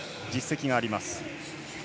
実績があります。